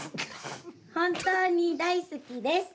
「本当に大好きです